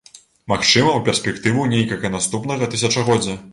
Магчыма, у перспектыву нейкага наступнага тысячагоддзя.